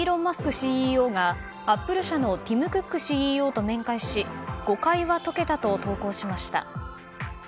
ＣＥＯがアップル社のティム・クックＣＥＯと面会し誤解は解けたと投稿しました。